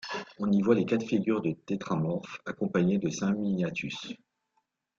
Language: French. On y voit les quatre figures du Tétramorphe accompagnées de saint Miniatus.